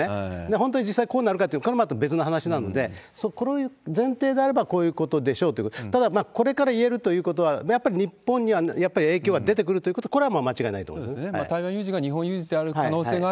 本当に実際こうなるかというと、これはまた別の話なんで、この前提であれば、こういうことでしょうということで、ただ、これからいえるということは、やっぱり日本にはやっぱり影響は出てくるということ、これはもう間違いないと思います。